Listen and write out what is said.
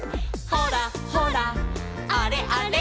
「ほらほらあれあれ」